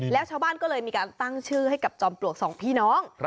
แล้วชาวบ้านก็เลยมีการตั้งชื่อให้กับจอมปลวกสองพี่น้อง